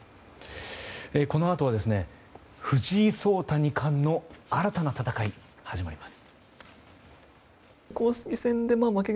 このあとは藤井聡太二冠の新たな戦い始まります。